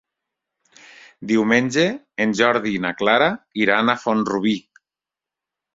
Diumenge en Jordi i na Clara iran a Font-rubí.